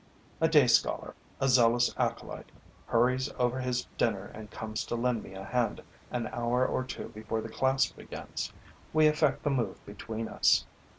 A day scholar, a zealous acolyte, hurries over his dinner and comes to lend me a hand an hour or two before the class begins. We effect the move between us.